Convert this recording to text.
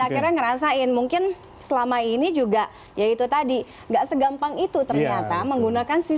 akhirnya ngerasain mungkin selama ini juga yaitu tadi gak segampang itu ternyata menggunakan sih